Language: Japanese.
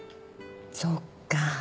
そっか。